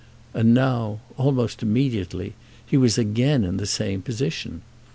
And now, almost immediately, he was again in the same position.